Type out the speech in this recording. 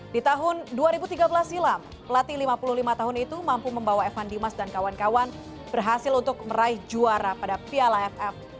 di tahun dua ribu tiga belas silam pelatih lima puluh lima tahun itu mampu membawa evan dimas dan kawan kawan berhasil untuk meraih juara pada piala ff